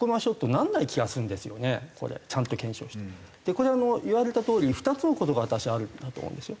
これ言われたとおりに２つの事が私あるんだと思うんですよ。